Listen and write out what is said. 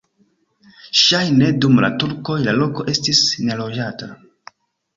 Ŝajne dum la turkoj la loko estis neloĝata.